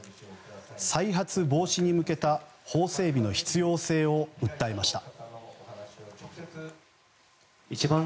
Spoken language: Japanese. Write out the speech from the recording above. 再発防止に向けた法整備の必要性を訴えました。